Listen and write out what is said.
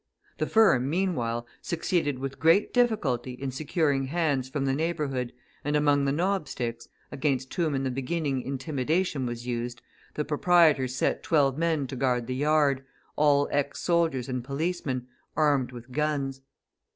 The firm, meanwhile, succeeded with great difficulty in securing hands from the neighbourhood, and among the knobsticks, against whom in the beginning intimidation was used, the proprietors set twelve men to guard the yard, all ex soldiers and policemen, armed with guns.